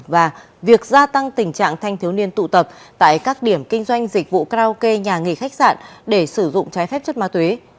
và việc gia tăng tình trạng thanh thiếu niên tụ tập tại các điểm kinh doanh dịch vụ karaoke nhà nghỉ khách sạn để sử dụng trái phép chất ma túy